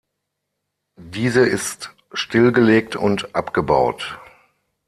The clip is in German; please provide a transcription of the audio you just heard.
Diese ist stillgelegt und abgebaut.